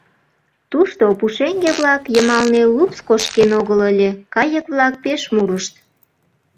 Тушто пушеҥге-влак йымалне лупс кошкен огыл ыле, кайык-влак пеш мурышт.